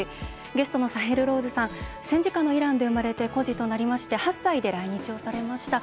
ゲストのサヘル・ローズさん戦時下のイランで生まれて孤児となりまして８歳で来日をされました。